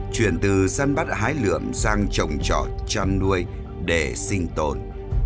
chuyển từ săn bắt hái lượm sang trồng trọt chăn nuôi để sinh tồn